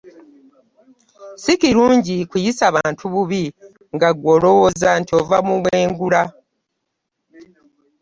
Si kirungi kuyisa bantu bubi nga ggwe alowooza nti ova mu bwengula.